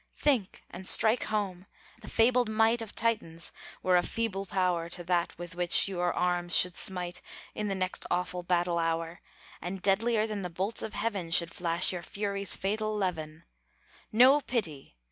Think! and strike home! the fabled might Of Titans were a feeble power To that with which your arms should smite In the next awful battle hour! And deadlier than the bolts of heaven Should flash your fury's fatal leven! No pity!